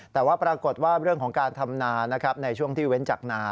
แต่ว่าปรากฏว่าเรื่องของการทำนาในช่วงที่เว้นจากนา